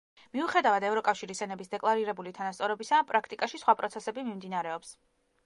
მიუხედავად ევროკავშირის ენების დეკლარირებული თანასწორობისა, პრაქტიკაში სხვა პროცესები მიმდინარეობს.